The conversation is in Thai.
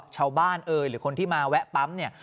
ชาวบ้านหรือคนที่มาแวะปั๊มเนี่ย